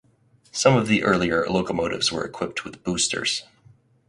Some of the earlier locomotives were equipped with boosters.